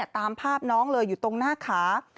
ตามภาพน้องเลยอยู่ตรงหน้าขา